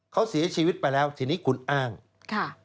เขาเสียชีวิตไปแล้วทีนี้คุณอ้างค่ะ